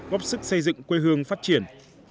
góp sức xây dựng quê hương phát triển